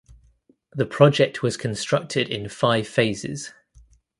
The project was constructed in five phases.